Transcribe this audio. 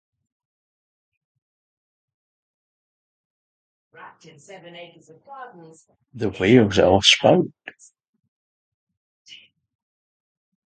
The wheels are spoked.